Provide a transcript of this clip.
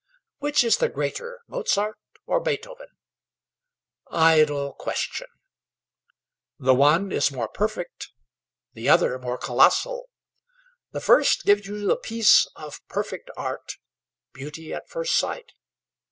Which is the greater, Mozart or Beethoven? Idle question! The one is more perfect, the other more colossal. The first gives you the peace of perfect art, beauty at first sight.